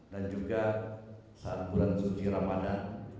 dan juga saat bulan suci ramadan